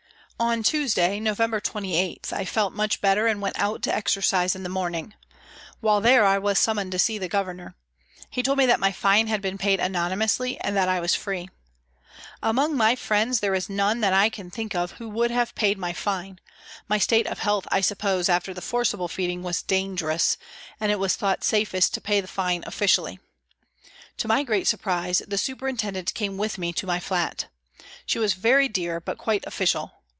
On Tuesday, November 28, 1 felt much better and went out to exercise in the morning. While there I was summoned to see the Governor. He told me that my fine had been paid anonymously and that I was free. Among my friends there is none that I can think of who would have paid my fine ; my state of health, I suppose, after the forcible feeding, was " dangerous," and it was thought safest to pay the fine " officially." To my great surprise, the super intendent came with me to my flat. She was very dear but quite " official."